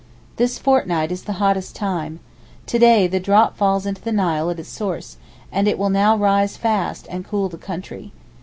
This fortnight is the hottest time. To day the drop falls into the Nile at its source, and it will now rise fast and cool the country.